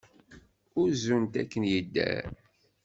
Uzun-t akken yedder.